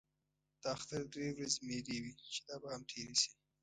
د اختر درې ورځې مېلې وې چې دا به هم تېرې شي.